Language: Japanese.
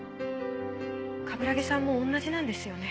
鏑木さんも同じなんですよね？